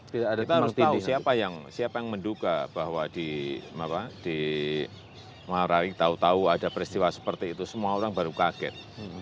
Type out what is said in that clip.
kita mesti siapa yang menduga bahwa di marawi tahu tahu ada peristiwa seperti itu semua orang baru kaget